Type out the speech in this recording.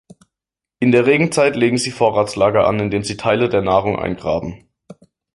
In der Regenzeit legen sie Vorratslager an, indem sie Teile der Nahrung eingraben.